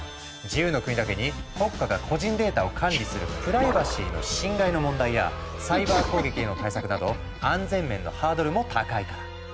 自由の国だけに国家が個人データを管理するプライバシーの侵害の問題やサイバー攻撃への対策など安全面のハードルも高いから。